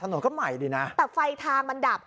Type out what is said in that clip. ถนนก็ใหม่ดีนะแต่ไฟทางมันดับ